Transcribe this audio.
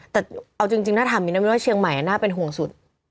แต่เอาจริงถ้าถามมินนะมินว่าเชียงใหม่น่าเป็นห่วงสุด